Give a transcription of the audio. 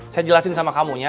saya jelasin sama kamu ya